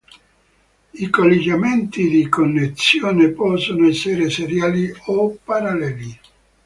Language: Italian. I collegamenti di connessione possono essere seriali o paralleli.